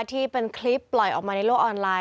ที่เป็นคลิปปล่อยออกมาในโลกออนไลน